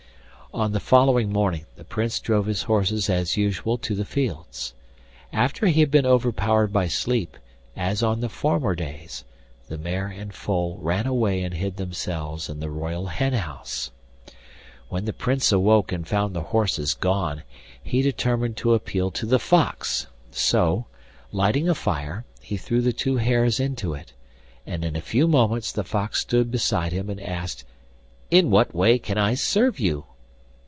On the following morning the Prince drove his horses as usual to the fields. After he had been overpowered by sleep, as on the former days, the mare and foal ran away and hid themselves in the royal hen house. When the Prince awoke and found the horses gone he determined to appeal to the fox; so, lighting a fire, he threw the two hairs into it, and in a few moments the fox stood beside him and asked: 'In what way can I serve you?